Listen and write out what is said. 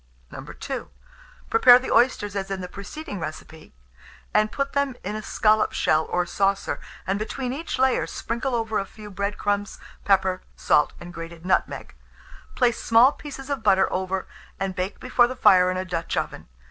II. Prepare the oysters as in the preceding recipe, and put them in a scallop shell or saucer, and between each layer sprinkle over a few bread crumbs, pepper, salt, and grated nutmeg; place small pieces of butter over, and bake before the fire in a Dutch oven.